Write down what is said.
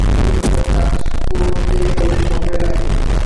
স্থায়ী ভাল কাজ করতে হলে সময় লাগে।